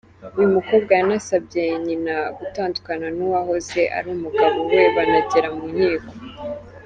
Uyu mukobwa yanasabye nyina gutandukana n’uwahoze ari umugabo we banagera mu nkiko.